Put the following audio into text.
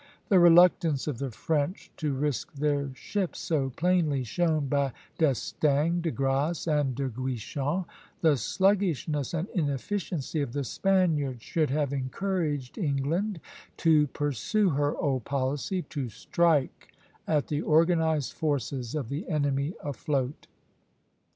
The reluctance of the French to risk their ships, so plainly shown by D'Estaing, De Grasse, and De Guichen, the sluggishness and inefficiency of the Spaniards, should have encouraged England to pursue her old policy, to strike at the organized forces of the enemy afloat.